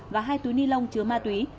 và hai túi ni lông chứa ma túy